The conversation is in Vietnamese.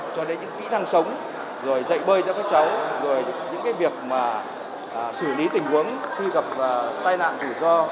cho đến những kỹ năng sống rồi dạy bơi cho các cháu rồi những cái việc mà xử lý tình huống khi gặp tai nạn rủi ro